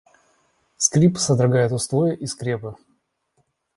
Скрип содрогает устои и скрепы.